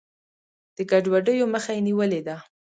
د ګډوډیو مخه یې نیولې ده.